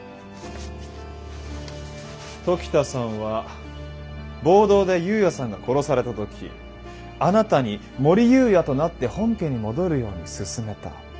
時田さんは暴動で由也さんが殺された時あなたに母里由也となって本家に戻るように勧めた。